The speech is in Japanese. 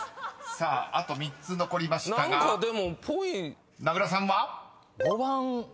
さああと３つ残りましたが名倉さんは？］５番。